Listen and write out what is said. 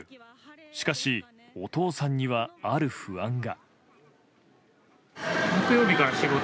しかし、お父さんにはある不安が。